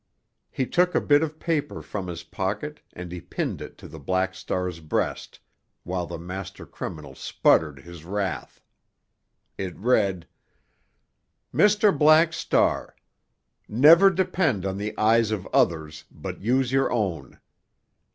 He took a bit of paper from his pocket and he pinned it to the Black Star's breast while the master criminal sputtered his wrath. It read: Mr. Black Star: Never depend on the eyes of others but use your own.